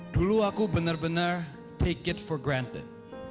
dulu aku benar benar take it for granted